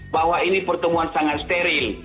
bahwa ini pertemuan sangat steril